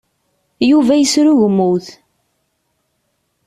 Yuba yesrugmut.